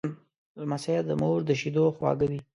لمسی د مور د شیدو خواږه دی.